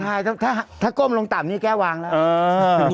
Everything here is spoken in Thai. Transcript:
ใช่ถ้าก้มลงต่ำนี่แก้วางแล้ว